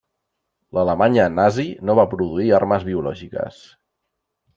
L'Alemanya Nazi no va produir armes biològiques.